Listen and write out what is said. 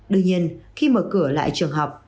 đương nhiên khi mở cửa lại trường học